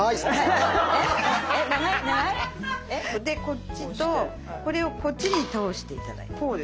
でこっちとこれをこっちに通して頂いて。